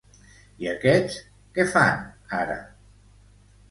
I aquests què fan, ara?